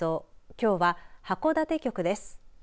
きょうは函館局です。